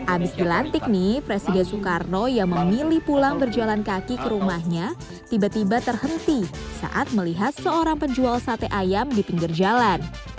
abis dilantik nih presiden soekarno yang memilih pulang berjalan kaki ke rumahnya tiba tiba terhenti saat melihat seorang penjual sate ayam di pinggir jalan